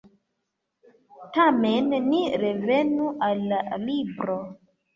Tamen ni revenu al la libro.